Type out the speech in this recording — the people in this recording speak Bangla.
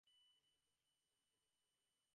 এগুলির দ্বারা মহৎ আদর্শের দিকে যাওয়া যায় না।